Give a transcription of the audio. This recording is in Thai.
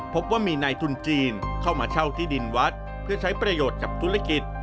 พบว่ามีนายทุนจีนเข้ามาเช่าที่ดินวัดเพื่อใช้ประโยชน์กับธุรกิจ